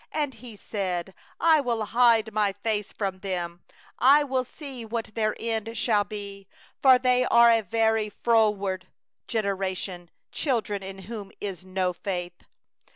20And He said: 'I will hide My face from them, I will see what their end shall be; For they are a very froward generation, Children in whom is no faithfulness.